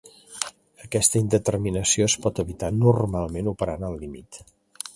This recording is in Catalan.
Aquesta indeterminació es pot evitar, normalment, operant al límit.